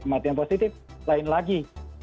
kematian positif lain lagi